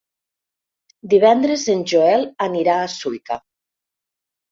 Divendres en Joel anirà a Sueca.